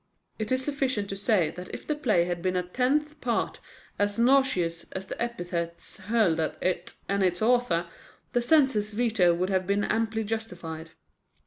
It is sufficient to say that if the play had been a tenth part as nauseous as the epithets hurled at it and its author, the Censor's veto would have been amply justified.